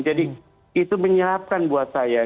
jadi itu menyerahkan buat saya